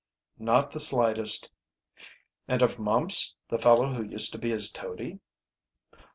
"Not the slightest." "And of Mumps, the fellow who used to be his toady?"